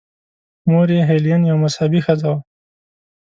مور یې هیلین یوه مذهبي ښځه وه.